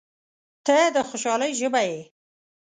• ته د خوشحالۍ ژبه یې.